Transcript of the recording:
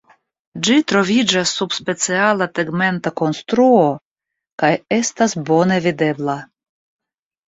Ĝi troviĝas sub speciala tegmenta konstruo kaj estas bone videbla.